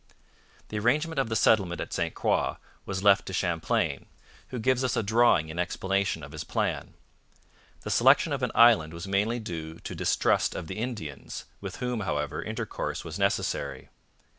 The arrangement of the settlement at St Croix was left to Champlain, who gives us a drawing in explanation of his plan. The selection of an island was mainly due to distrust of the Indians, with whom, however, intercourse was necessary.